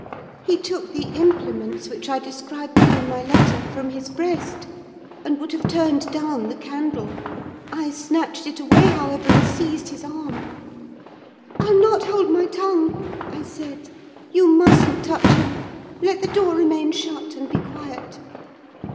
"He took the implements which I described to you in my letter from his breast, and would have turned down the candle. I snatched it away, however, and seized his arm. "'I'll not hold my tongue!' I said; 'you mustn't touch him. Let the door remain shut, and be quiet!